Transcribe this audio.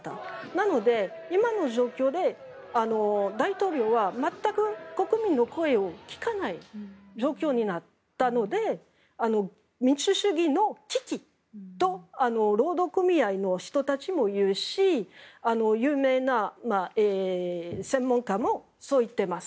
なので、今の状況で大統領は全く国民の声を聞かない状況になったので民主主義の危機と労働組合の人たちも言うし有名な専門家もそう言っています。